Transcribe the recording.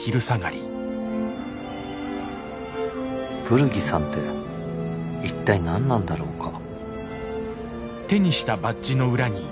ブルギさんって一体何なんだろうか？